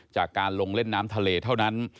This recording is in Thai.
จากการลงเล่นน้ำทะเลเท่านั้น